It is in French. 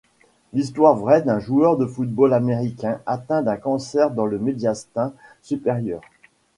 L'histoire vraie d'un joueur de football américain atteint d'un cancer dans le médiastin supérieur.